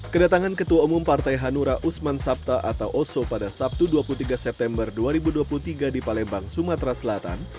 kedatangan ketua umum partai hanura usman sabta atau oso pada sabtu dua puluh tiga september dua ribu dua puluh tiga di palembang sumatera selatan